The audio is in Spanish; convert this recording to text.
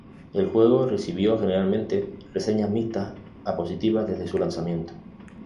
El juego recibió generalmente reseñas mixtas a positivas desde su lanzamiento.